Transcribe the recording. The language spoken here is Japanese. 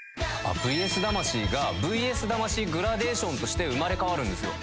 『ＶＳ魂』が『ＶＳ魂グラデーション』として生まれ変わるんですよ。